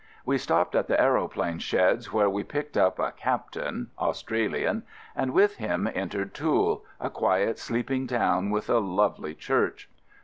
We stopped at the aeroplane sheds where we picked up a Captain (Australian) and with him entered Toul, a quiet sleeping town with a lovely church.